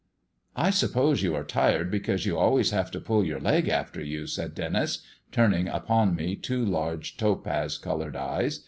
"I s'pose you are tired because you always have to pull your leg after you," said Denis, turning upon me two large topaz coloured eyes.